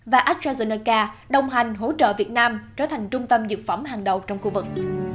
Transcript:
và astrazinaka đồng hành hỗ trợ việt nam trở thành trung tâm dược phẩm hàng đầu trong khu vực